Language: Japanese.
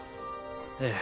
ええ。